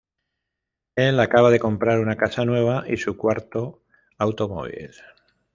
Él acababa de comprar una casa nueva y su "cuarto" automóvil".